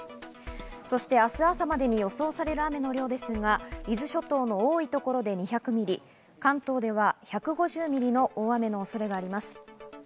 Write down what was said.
そして明日朝までに予想される雨の量ですが、伊豆諸島の多い所で２００ミリ、関東では１５０ミリの大雨の恐れがあります。